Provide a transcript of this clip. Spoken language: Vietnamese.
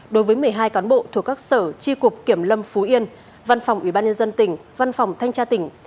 đối với một mươi hai cán bộ thuộc các sở tri cục kiểm lâm phú yên văn phòng ủy ban nhân dân tỉnh văn phòng thanh tra tỉnh